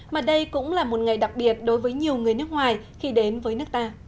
mà đây cũng là một ngày đặc biệt đối với nhiều người nước ngoài khi đến với nước ta